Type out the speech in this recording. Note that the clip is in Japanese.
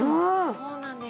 そうなんです。